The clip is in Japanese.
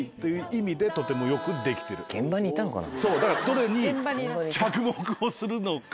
だからどれに着目をするのか。